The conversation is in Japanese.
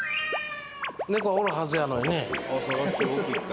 猫おるはずやのにね。